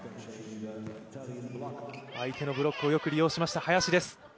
相手のブロックをよく利用しました、林です。